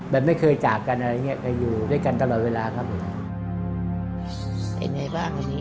แบบไม่เคยจากกันอะไรอยู่ด้วยกันตลอดเวลาครับ